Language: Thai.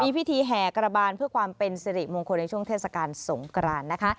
พิธีแห่กระบานเพื่อความเป็นสิริมงคลในช่วงเทศกาลสงกรานนะคะ